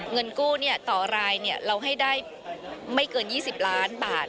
เงินกู้ต่อรายเราให้ได้ไม่เกิน๒๐ล้านบาท